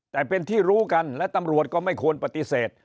แต่เป็นที่รู้กันและตำรวจก็ไม่ควรปฏิเสธ